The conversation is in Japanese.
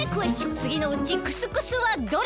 つぎのうちクスクスはどれ？